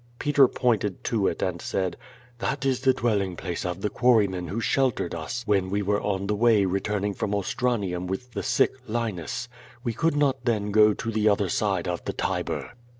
Peter pointed to it and said: "That is the dwelling place of the quarryman who shel tered us when we were on the way returning from Ostranium with the sick Linus. We could not then go to the other side of the Tiber."